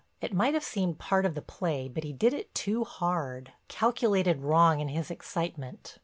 It might have seemed part of the play but he did it too hard—calculated wrong in his excitement.